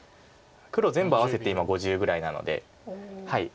黒全部合わせて今５０ぐらいなので。